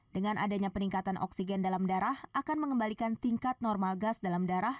dengan adanya peningkatan oksigen dalam darah akan mengembalikan tingkat normal gas dalam darah